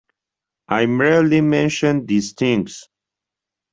I merely mention these things.